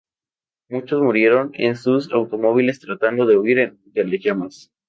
Muchos murieron en sus automóviles tratando de huir de las llamas.